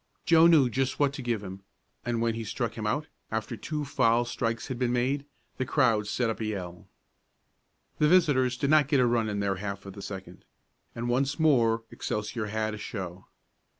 Joe knew just what to give him, and when he struck him out, after two foul strikes had been made, the crowd set up a yell. The visitors did not get a run in their half of the second, and once more Excelsior had a show.